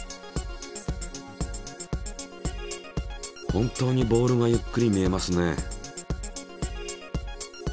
本当にボールがゆっくり見えますね。